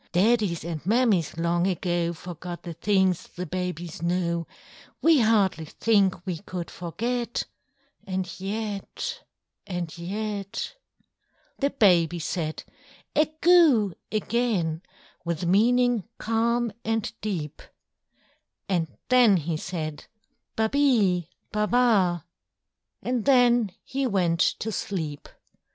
Daddies and Mammies long ago Forgot the things the babies know; We hardly think we could forget, And yet—and yet!" The baby said "A Goo!" again With meaning calm and deep: And then he said, "Ba be, ba ba!" And then he went to sleep.